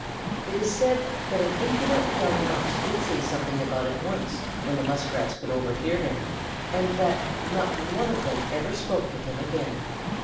It is said that an impudent young Mouse did say something about it once when the Muskrats could overhear him and that not one of them ever spoke to him again.